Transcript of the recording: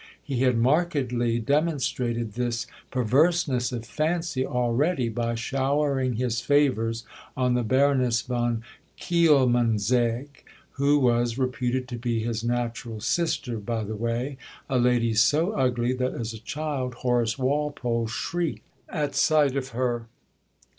He had markedly demonstrated this perverseness of fancy already by showering his favours on the Baroness von Kielmansegg who was reputed to be his natural sister, by the way a lady so ugly that, as a child, Horace Walpole shrieked at sight of her.